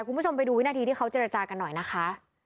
คุณผู้ชมไปดูวินาทีที่เขาเจรจากันหน่อยนะคะ